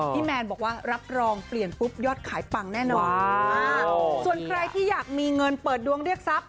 แมนบอกว่ารับรองเปลี่ยนปุ๊บยอดขายปังแน่นอนส่วนใครที่อยากมีเงินเปิดดวงเรียกทรัพย